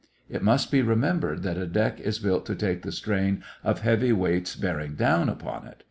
It must be remembered that a deck is built to take the strain of heavy weights bearing down upon it.